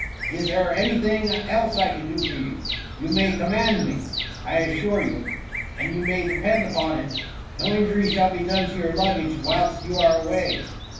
Is there any thing else I can do for you ? You may command me, I assure you ; and you may depend upon it, no injury shall be done to your luggage, whilst you are away."